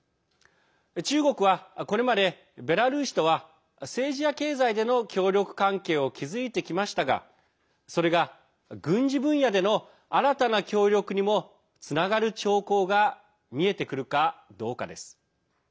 中国は、これまでベラルーシとは政治や経済での協力関係を築いてきましたが、それが軍事分野での新たな協力にもつながる兆候が見えてくるかどうかです。